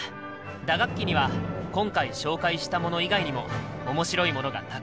打楽器には今回紹介したもの以外にも面白いものがたくさんある。